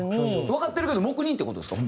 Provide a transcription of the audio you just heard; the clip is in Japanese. わかってるけど黙認っていう事ですか？